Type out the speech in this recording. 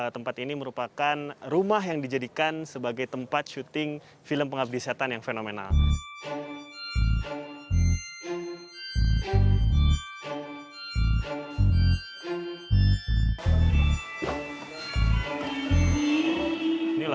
tempat ini merupakan rumah yang dijadikan sebagai tempat syuting film pengabdi setan yang fenomenal